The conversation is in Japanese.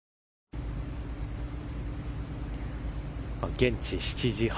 現地７時半。